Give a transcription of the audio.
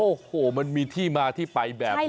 โอ้โหมันมีที่มาที่ไปแบบนี้